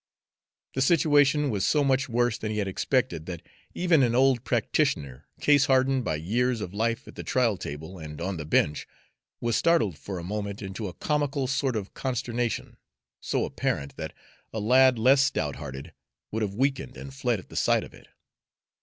The situation was so much worse than he had suspected that even an old practitioner, case hardened by years of life at the trial table and on the bench, was startled for a moment into a comical sort of consternation, so apparent that a lad less stout hearted would have weakened and fled at the sight of it.